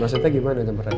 maksudnya gimana campur aduk